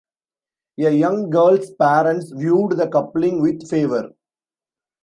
A young girl's parents viewed the coupling with favor.